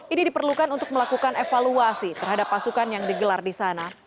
ini diperlukan untuk melakukan evaluasi terhadap pasukan yang digelar di sana